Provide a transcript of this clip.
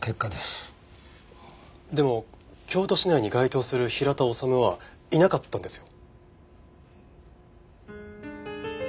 でも京都市内に該当する平田治はいなかったんですよ。